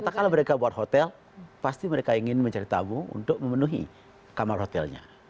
katakanlah mereka buat hotel pasti mereka ingin mencari tabung untuk memenuhi kamar hotelnya